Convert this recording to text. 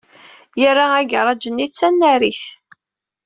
Yerra agaṛaj-nni d tanarit.